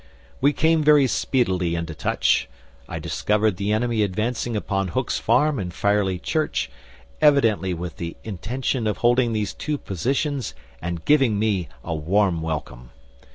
"We came very speedily into touch. I discovered the enemy advancing upon Hook's Farm and Firely Church, evidently with the intention of holding those two positions and giving me a warm welcome.